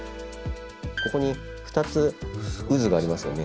ここに２つ渦がありますよね。